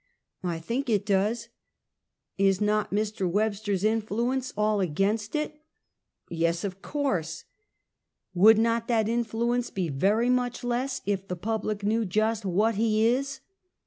I think it does." " Is not Mr. "Webster's influence all against it?" " Yes, of course!" " "Would not that influence be very much less if the public knew just what he is?